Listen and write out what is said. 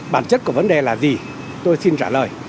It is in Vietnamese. bản chất của vấn đề là gì tôi xin trả lời